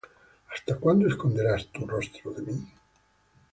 ¿Hasta cuándo esconderás tu rostro de mí?